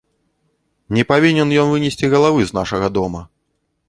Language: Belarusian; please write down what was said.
Не павінен ён вынесці галавы з нашага дома!